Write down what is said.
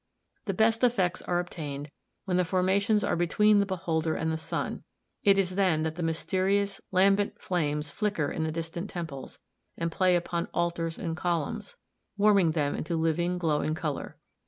The best effects are obtained when the formations are between the beholder and the sun; it is then that the mysterious, lambent flames flicker in the distant temples and play upon altars and columns, warming them into living, glowing color.